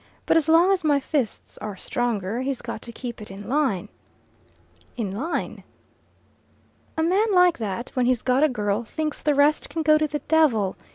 But as long as my fists are stronger, he's got to keep it in line." "In line?" "A man like that, when he's got a girl, thinks the rest can go to the devil.